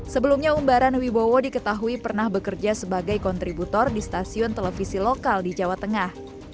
sebelumnya umbaran wibowo diketahui pernah bekerja sebagai kontributor di stasiun televisi lokal di jawa tengah